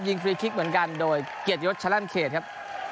๓ต่อ๑ยิงฟรีคิกเหมือนกันโดยเกียรติยศชะลั่นเขตครับ